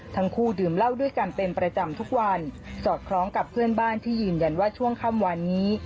ทั้งคู่ดื่มเหล้าด้วยกันเป็นประจำทุกวันสอดคล้องกับเพื่อนบ้านที่ยืนยันว่าช่วงค่ำวันนี้